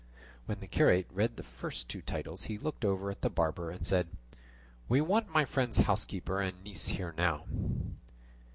When the curate read the two first titles he looked over at the barber and said, "We want my friend's housekeeper and niece here now."